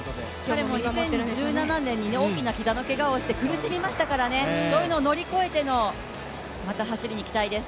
彼も２０１７年に大きな膝のけがをして苦しみましたからそういうのを乗り越えての走りに期待です。